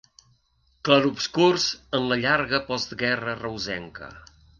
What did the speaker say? Clarobscurs en la llarga postguerra reusenca.